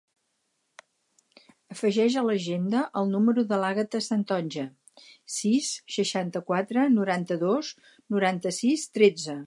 Afegeix a l'agenda el número de l'Àgata Santonja: sis, seixanta-quatre, noranta-dos, noranta-sis, tretze.